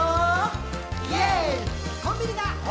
「コンビニだ！